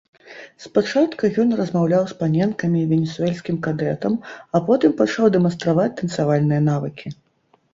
Спачатку ён размаўляў з паненкамі і венесуэльскім кадэтам, а потым пачаў дэманстраваць танцавальныя навыкі.